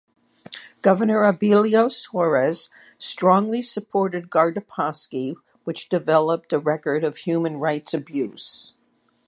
Governor Abilio Soares strongly supported Gardapaksi, which developed a record of human rights abuse.